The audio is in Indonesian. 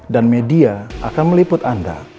dan media akan meliput anda